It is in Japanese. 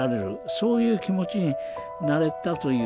そういう気持ちになれたという。